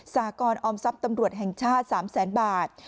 สากรออมทรัพย์ตำรวจแห่งชาติ๓แสนบาท